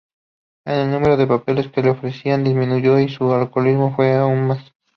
El número de papeles que le ofrecían disminuyó, y su alcoholismo fue a más.